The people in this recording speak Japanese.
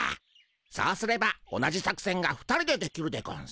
そうすれば同じ作せんが２人でできるでゴンス。